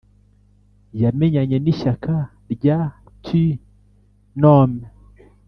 yamenyanye n'ishyaka rya ti nomme